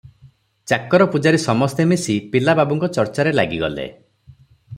ଚାକର ପୂଜାରୀ ସମସ୍ତେ ମିଶି ପିଲା ବାବୁଙ୍କ ଚର୍ଚ୍ଚାରେ ଲାଗିଗଲେ ।